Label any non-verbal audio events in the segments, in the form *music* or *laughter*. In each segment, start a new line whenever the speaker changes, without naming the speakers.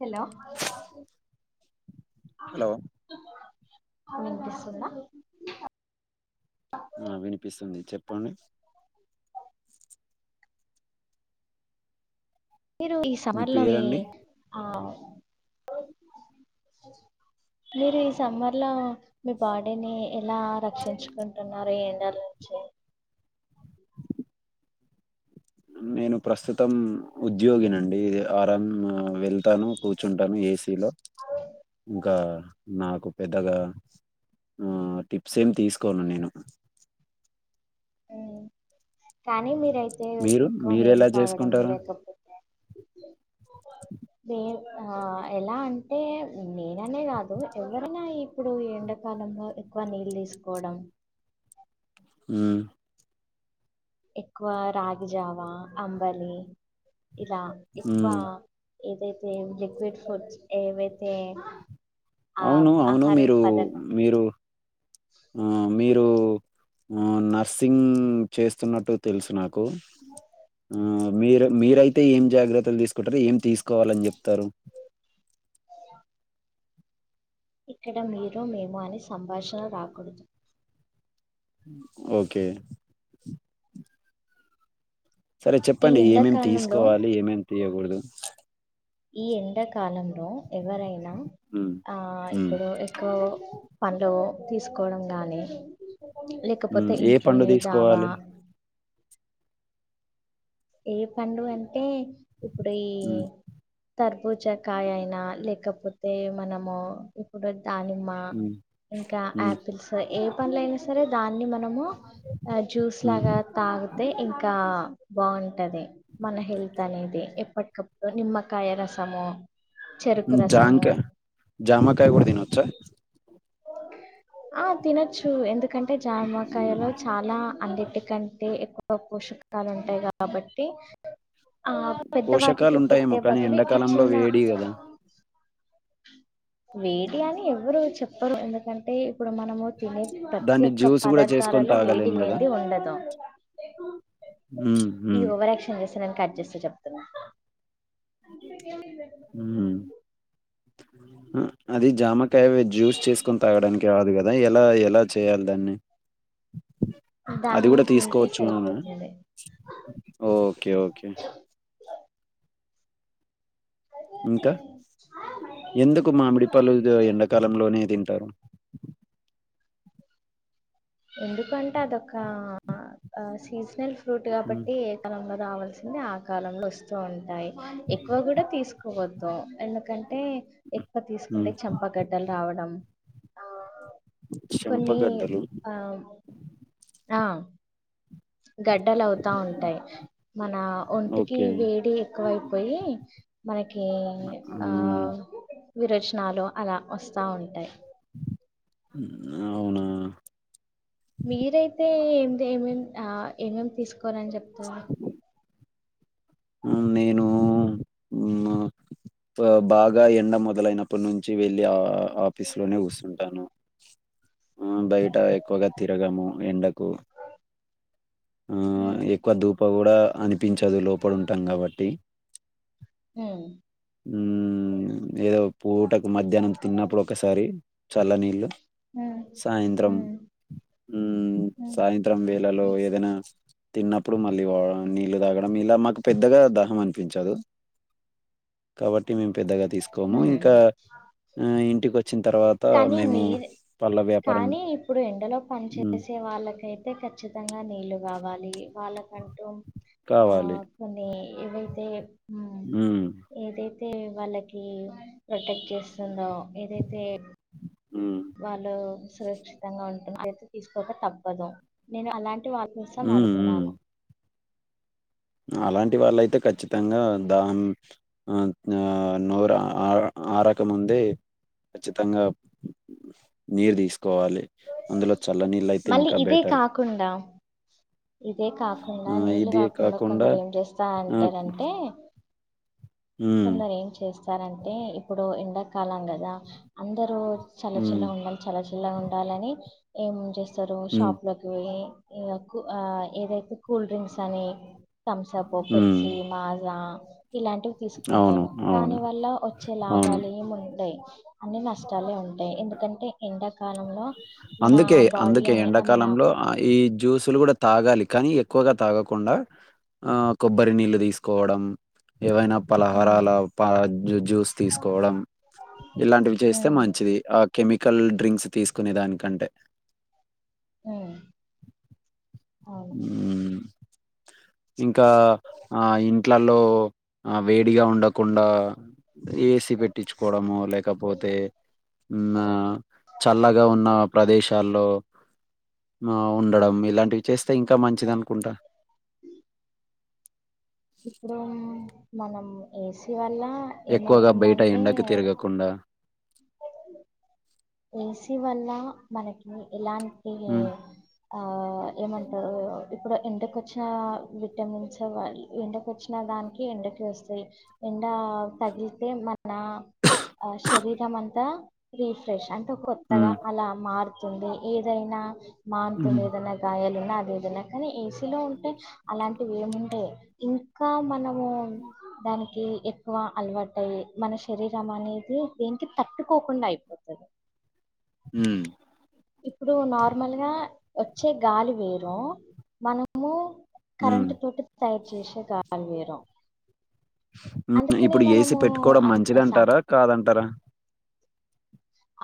Hello
hello
వినిపిస్తుంద
ఆ వినిపిస్తుంది చెప్పండి
మీరు ఈ సమ్మర్ లో మీ ఆ మీరు ఈ సమ్మర్ లో మీ బాడీని ఎలా రక్షించుకుంటున్నారు ఈ ఎండల్ నుంచి
నేను ప్రస్తుతం ఉద్యోగినండి ఆరమ్ వెళ్ తాను కూర్చుంటాను ఏసీలో ఇంక నాకు పెద్దగ ఆ టిప్స్ ఏమి తీసుకోను నేను
ఆ కానీ మీరైతే
మీరు
ఎక్కువ
మీరు
నీళ్లు
ఎలా
తాగడం
చేసుకుంటారు
లేకపోతే నేన్ ఆ ఎలా అంటే నేననే కాదు ఎవరైనా ఈ ఇప్పుడు ఈ ఎండాకాలంలో ఎక్కువ నీళ్ళ్ తీసుకోవడం
ఊమ్
ఎక్కువ రాగిజావ, అంబలి ఇలా ఎక్కువ
ఉమ్
ఏదైతే లిక్విడ్ ఫుడ్స్ ఏవైతే ఆ
అవును అవును
ఆహారం
మీరు
పదార్థ
మీరు ఆ మీరు ఆ నర్సింగ్ చేస్తున్నట్టు తెలుసు నాకు ఆ మీరు మీరయితే ఏం జాగ్రత్తలు తీసుకుంటారు ఏం తీస్ కోవాలని చెప్తరు
*inaudible* ఇక్కడ మీరు మేము అని సంభాషణ రాకూడదు
ఓకే సరే
ఈ
చెప్పండి ఏమేమి
ఎండాకాలంలో
తీసుకోవాలి ఏమేమి తీయకూడదు
ఈ ఎండాకాలంలో ఎవరైన
ఉమ్,
ఆ
ఉమ్,
ఇప్పుడు ఎక్కువ పండ్లు తీసుకోవడం గాని లేక్
ఉమ్,
కపోతే
ఏ పండు
ఇంట్లోనే జావా
తీసుకోవాలి
ఏ పండు అంటే ఇప్పుడు ఈ
ఉమ్,
తర్బుజ కాయ అయిన లేకపోతే మనము ఇప్పుడు దానిమ్మ ఆ
ఉమ్,
ఇంక
ఉమ్,
ఆపిల్స్ ఏ పండ్లూ అయిన సరే దాన్ని మనము జ్యూస్
ఉమ్,
లాగ తాగుతే ఇంకా బాగుంటది మన హెల్త్ అనేది ఎప్పటికప్పుడు నిమ్మకాయ రసము చెరుకు
జాంక
రసము
జమకాయ కూడ తినవచ్చ
ఆ తినొచ్చు ఎందుకంటె
ఉమ్,
జానమకాయలో చాలా అన్నిటికంటె అంటె ఎక్కువ పోషకాలు ఉంటయి కాబట్టి ఆ
పోషకాలు
పెద్దవాటికి
ఉంటాయేమో
పెట్టే
కానీ
బదులు ఈ
ఎండాకాలంలో
చిన్న
వేడి కదా
వేడి అని ఎవరు చెప్పరు ఎందుకంటే ఇప్పుడు మనము తినే ప్రతి
దాన్ని
ఒక్క
జ్యూస్ కూడా చేసుకొని
పదార్థాలలో వేడి
తాగలేము కదా
లేంది ఉండదు
ఉమ్,
ఈ
ఉమ్,
ఓవరాక్షన్ చేస్తె నేను కట్ చేస్త చెప్తున్న సిద్దిలోకి ఏమి లేదు
ఉమ్ అది జామకాయవే జ్యూస్ చేసుకొని తాగడానికి కాదు గదా ఎలా ఎలా చేయాలి దాన్ని అది
దాన్ని
గూడా
తింటే
తీసుకోవచ్చు అనా
సరిపోతుంది
ఓకే ఓకే ఇంకా ఎందుకు మామిడిపండ్లు ఎండాకాలంలోనే తింటారు
ఎందుకంటే అదొక సీజనల్ ఫ్రూట్
ఉమ్,
కాబట్టి యే కాలంలో రావాల్సింది ఆ కాలంలో వస్తూ ఉంటాయి ఎక్కువ కూడా తీసుకోవ ద్దు ఎందుకంటే ఎక్కువ
ఉమ్.
తీసుకుంటే చంపగడ్డలు రావడం ఆ కొన్ని
చెంపగడ్డలు
ఆ ఆ గడ్డలు అవుతా ఉంటాయి మన ఒంటికి
ఓకే
వేడి ఎక్కువైపోయి మనకి ఆ
మ్మ్
విరోచనాలు అలా వస్తా ఉంటాయి
ఉమ్ అవునా
మీరైతే ఏంది ఏమేం ఆ ఏమేమి తీసుకోరని చెప్తారు
నేను ఉమ్ ఆ బాగా ఎండ మొదలైనప్పటి నుంచి వెళ్ళి ఆ ఆఫీస్ లోనే గుసుంటాను ఆ బయట ఎక్కువగా తిరిగను ఎండకు ఆ
ఉమ్,
ఎక్కువ ధూప గూడా అనిపించదు లోపల ఉంటా గాబట్టి
ఉమ్
ఉమ్ ఏదో పూటకు మధ్యాహ్నం తిన్నప్పుడు ఒకసారి చల్ల నీళ్ళు
ఉమ్,
సాయంత్రం
ఉమ్,
ఉమ్
ఉమ్,
సాయంత్రం వేళల్లో ఏదైనా తిన్నప్పుడు మళ్ళీ వా నీళ్లు తాగడం ఇలా మాకు పెద్దగా దాహం అనిపించదు కాబట్టి మేము పెద్దగా తీస్ కోము
ఉమ్.
ఇంకా ఆ ఇంటికి వచ్చిన తర్వాత
కానీ
మేము
మీరు
పళ్ళ వ్యాపారం
కానీ ఇప్పుడు ఎండలో పని
మ్మ్
చేేసే వాళ్ళకైతే ఖ చ్చితంగా నీళ్లు గావాలి వాళ్ళకంటూ ఆ
కావాలి
కొన్ని ఏవైతే
ఉమ్
ఏదైతే వాళ్ళకి ప్రొటెక్ట్ చేస్తుందో ఏదైతే
ఉమ్
వాళ్ళు సురక్షితంగా ఉంటు అలుసు తీసుకోక తప్పదు నేను అలాంటి వాళ్ళ నిజం
మ్మ్ మ్మ్
అడుగునాన్న
అలాంటి వాళ్ళైతే ఖచ్చితంగా దాహం ఆ నోరు ఆ ఆరక ముందే ఖచ్చితంగా నీరు దీసుకోవాలే అందులో చల్లనీళ్ళైతే ఇంకా బెటర్
కుండా ఇదే కాకుండా
ఆ
నీళ్లు
ఇది
గాకుండా
కాకుండా
కొందరు ఏం జేస్తా
ఆ
అంటారంటే
మ్మ్
కొందరు ఏం చేస్తారంటే ఇప్పుడు ఎండాకాలం గదా అందరు
హ్మ్.
చల్లచల్లగా ఉండాలి చల్లచల్లగా ఉండాలని ఏం జేస్తరు
హ్మ్.
షాప్ లోకి పోయి ఇగ ఆ ఏదైతే కూల్ డ్రింక్స్ అని థమ్స్ అప్
హ్మ్.
పెప్సి మాజా ఇలాంటివి తీ
అవును.
ఉంటరు దాని
అవును.
వల్ల వచ్చే
అవును.
లాభాలు ఏం ఉండయ్ అన్ని నష్టాలే ఉంటాయి ఎందుకంటే ఎండాకాలంలో మన
అందుకే
బాడీ
అందుకే
అనే మన
ఎండాకాలంలో అ ఈ జ్యూసులు కూడా తాగాలి కానీ ఎక్కువగా తాగకుండా ఆ కొబ్బరి నీళ్ళు తీసుకోవడం ఏవైనా
ఉమ్
పలహారాల పా జ్యూస్ తీసుకోవడం ఇలాంటివి చేస్తే
ఉమ్
మంచిది ఆ కెమికల్ డ్రింక్స్ తీసుకునే దానికంటే
ఆ అవును
హ్మ్. ఇంకా ఆ ఇంట్లలో ఆ వేడిగా ఉండకుండా ఏసీ పెట్టించుకోవడము లేకపోతే ఆన్న చల్లగా ఉన్న ప్రదేశాల్లో ఉండడం ఇలాంటివి చేస్తే ఇంకా మంచిది అనుకుంటా
హ ఇప్పుడు మనం ఏసీ వల్ల ఏమవుతుందంటే?
కుండా
ఏసీ వల్ల మనకి ఇలాంటి
హ్మ్.
ఆ ఏమంటారు ఇప్పుడు ఎండకొచ్చిన విటమిన్స్ వాళ్ ఎండకొచ్చి ఇట్ల దానికి ఎండకి వస్తాయి ఎండ తగిలితే మన ఆ శరీరం అంతా రీఫ్ ఫ్రెష్ అంటే కొత్తగా
హ్మ్.
అలా మారుతుంది ఏదైనా మారుతుంది
హ్మ్.
ఏదైనా గాయాలున్నా, అదేది ఉన్నా కానీ ఏసీలో ఉంటే అలాంటివి ఏముంటాయి ఇంకా మనం ఓ దానికి ఎ క్కువ అలవాటయి మన శరీరం అనేది దేనికి తట్టుకోకుండా అయిపోతది.
హమ్
ఇప్పుడు నార్మల్గా వచ్చే గాలి వేరు మనము
హ్మ్.
కరెంట్ తోటి తయారు చేసే గాలి వేరు
ఉమ్
అందుకనే
ఇప్పుడు ఏసీ
మనము
పెట్టుకోవడం
అన్ సం
మంచిదంటారా, కాదంటారా?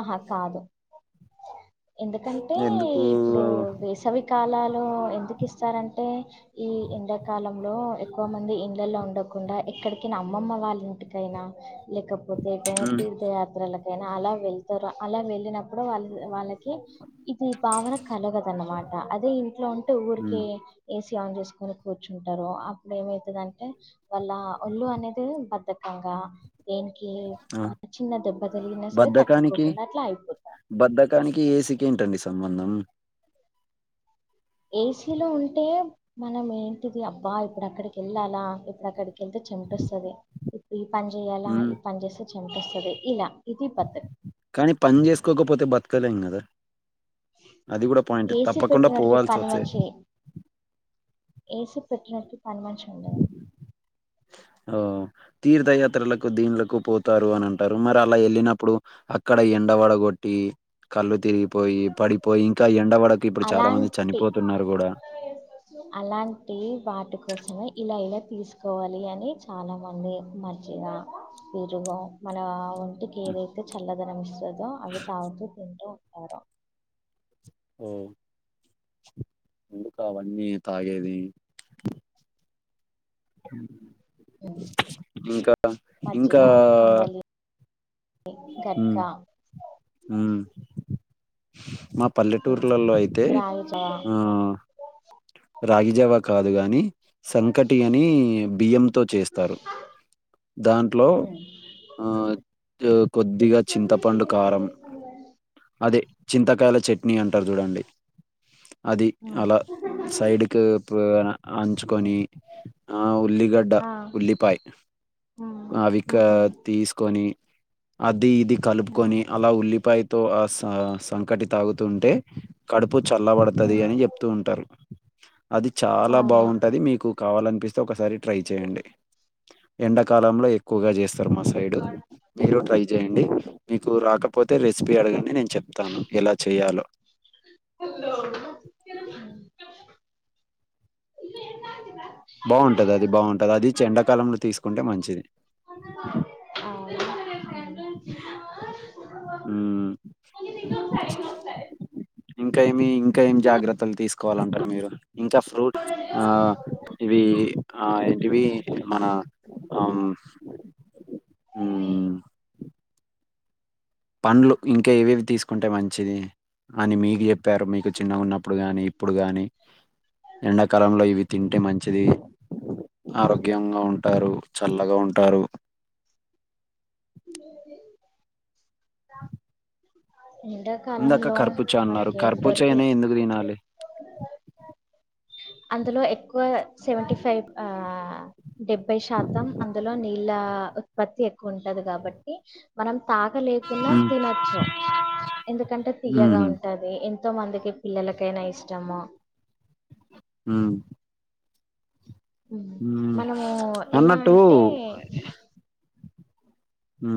ఆహా కాదు ఎందుకంటే
ఎందుకు?
ఇప్పుడు వేసవి కాలాలు ఎందుకు ఇస్తారంటే ఈ ఎండాకాలంలో ఎక్కువ మంది ఇళ్లలో ఉండకుండా ఎక్కడికినా అమ్మమ్మ వాళ్ళ ఇంటికైనా లేకపోతే ఏటైనా
హ్మ్.
తీర్థయాత్రలకైనా అలా వెళ్తారు అలా వెళ్ళినప్పుడు వాళ్ళు వాళ్ళ కి ఇది భావన కలగదన్నమాట అదే ఇంట్లో ఉంటే ఊరికే
హ్మ్.
ఏసీ ఆన్ చేసుకని కూర్చుంటారు అప్పుడు ఏమవుతదంటే వాళ్ల ఒళ్ళు అనేది బద్ధకంగా దేనికి
ఆ!
చిన్న దెబ్బ తగిలిన సరే తట్టు
బద్దకానికి ఏసీకేంటండి సంబంధం?
ఏసీలో ఉంటే మనం ఏంటిది అబ్బా ఇప్పుడక్కడికి వెళ్ళాలా ఇప్పుడక్కడికి ఏళ్తే చెమాటస్తది ఇప్పుడు ఈ పని చెయాలా,
హ్మ్.
ఈ పని చేస్తే చెమట వస్తది ఇలా ఇది పత్
కానీ పని చేసుకోకపోతే బతకలేం కదా అది కూడా పాయింట్
ఏసీ
తప్పకుండా
పెట్టినోడికి
పోవాల్సి వస్తేయి
ఏసు పెట్టటినకి పని మనిషండదు
ఓ తీర్థయాత్రలకు దీనులకు పోతారు అని అంటారు మరి అలా వెళ్ళినప్పుడు అక్కడ ఎండవడ కొట్టి కళ్ళు తిరిగి పోయి పడిపోయి ఇంకా ఎండ వడకు ఇప్పుడు చాలా మంది
అలాంటి
చనిపోతున్నారు కూడా
అలాంటి వాటి కోసమే ఇలా ఇలా తీసుకోవాలి అని చాలా మంది మం చిగా తిరుగం మన ఆవన్ వంటికి ఏదైతే చల్లదనం ఇస్తాదో అవి తాగుతూ తింటూ ఉంటారు.
ఉ ముందుగా అవన్నీ తాగేది
ఉమ్,
ఇంకా ఇంకా
పప్పా కారికా
ఉ మ పల్లెటూర్లలో అయితే
రాగి జావా
రాగిజావా కాదు కాగానీ సంకటి అని బియ్యంతో చేస్తారు దాంట్లో కొద్దిగా చింతపండు కారం అదే చింతకాయల చట్నీ అంటారు చూడండి అది అలా సైడ్ క్యాప్ నన్చుకొని ఆ ఉల్లిగడ్డ
ఆ
ఉల్లిపాయ అవిక తీసుకొని అది ఇది కలుపుకొని అలా ఉల్లిపాయతో ఆ సంకటి తాగుతుంటే కడుపు చల్లబడుతది అని చెప్తూ ఉంటారు అది చాలా
అవును
బాగుంటది మీకు కావాలనిపిస్తే ఒకసారి ట్రై చేయండి ఎండాకాలంలో ఎక్కువగా చేస్తారు మా సైడు ట్రై చేయండి మీకు రాకపోతే రెసిపీ అడగండి నేను చెప్తాను ఎలా చేయాలో
హలో
బాగుంటది అది బాగుంటది అది ఎడాకాలంలో తీసుకుంటే మంచిది
అవునా
మ్మ్. ఇంకా ఏమి ఇంకా ఏమి జాగ్రత్తలు తీసుకోవాలంటారు మీరు ఇంకా ఫ్రూట్ ఆ ఇవి ఆ ఇంటివి మన ఆ పండ్లు ఇంకా ఏవేవి తీసుకుంటే మంచిది అని మీకు చెప్పారు మీకు చిన్నగా ఉన్నప్పుడు కాగాని ఇప్పుడు గాని ఎండాకాలంలో ఇవి తింటే మంచిది ఆరోగ్యంగా ఉంటారు చల్లగా ఉంటారు
ఎండ
ఇందాక
కాలంలో
కర్బూజా అన్నారు
మనకి దొరికే
కర్బూజానే ఎందుకు తినాలి
అందులో ఎక్కువ సెవెంటీ ఫైవ్ ఆ డెబ్బై శాతం అందులో నీళ్ళ ఉత్పత్తి ఎక్కువ ఉంటది కాబట్టి మనం తాగ లేకున్నా
హ్మ్.
తినొచ్చు ఎందుకంటే తీయ్యగా
హుహు.
ఉంటది అ ఎంతో మందికి పిల్లలకైనా ఇష్టము
ఉమ్ హ్మ్.
మనము ఎలా
అన్నట్టు
అంటే
హ